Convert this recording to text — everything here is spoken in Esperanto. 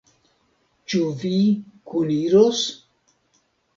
Ĉu vi kuniros?